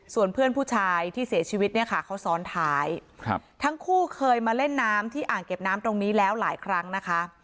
ส่วนเพื่อนผู้ชายที่เสียชีวิตเนี่ยค่ะเขาซ้อนท้ายทั้งคู่เคยมาเล่นน้ำที่อ่างเก็บน้ำตรงนี้แล้วหลายครั้งนะคะ